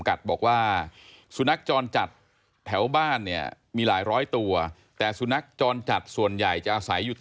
กับกลุ่มฝั่งนี้